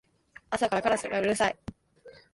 朝からカラスがうるさい